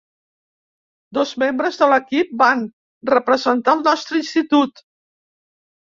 Dos membres de l'equip van representar el nostre institut.